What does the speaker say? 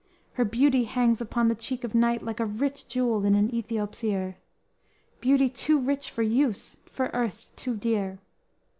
Her beauty hangs upon the cheek of night Like a rich jewel in an Ethiop's ear; Beauty too rich for use, for earth too dear!